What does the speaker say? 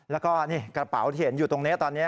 แล้วก็นี่กระเป๋าที่เห็นอยู่ตรงนี้ตอนนี้